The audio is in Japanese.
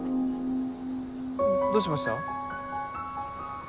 どうしました？